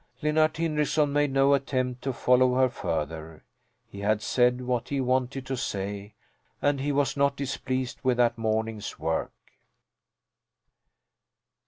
Linnart Hindrickson made no attempt to follow her further. He had said what he wanted to say and he was not displeased with that morning's work.